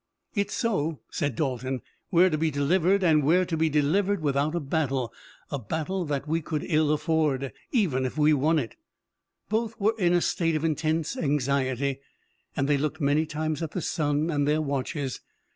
"It's so," said Dalton. "We're to be delivered, and we're to be delivered without a battle, a battle that we could ill afford, even if we won it." Both were in a state of intense anxiety and they looked many times at the sun and their watches.